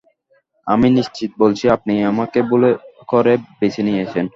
আমি নিশ্চিত বলছি, আপনি আমাকে ভুল করে বেছে নিয়েছেন।